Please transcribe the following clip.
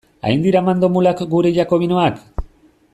Hain dira mandomulak gure jakobinoak?